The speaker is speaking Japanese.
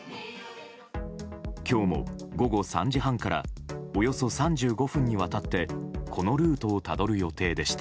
今日も午後３時半からおよそ３５分にわたってこのルートをたどる予定でした。